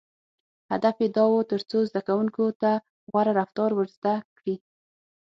• هدف یې دا و، تر څو زدهکوونکو ته غوره رفتار ور زده کړي.